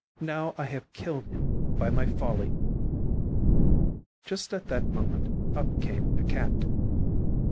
Now I have killed him by my folly." Just at that moment up came a Cat.